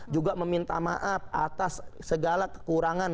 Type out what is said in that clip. juga meminta maaf atas segala kekurangan